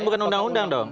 bukan undang undang dong